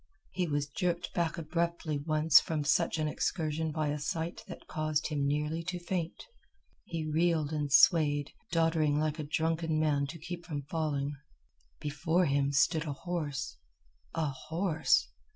He was jerked back abruptly once from such an excursion by a sight that caused him nearly to faint. He reeled and swayed, doddering like a drunken man to keep from falling. Before him stood a horse. A horse!